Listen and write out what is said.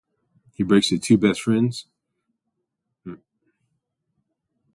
He breaks the two best friends apart and kidnaps Badal.